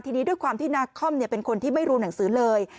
ทีนี้ด้วยความที่นักคอมเป็นคนที่ไม่รู้หนังสือเลย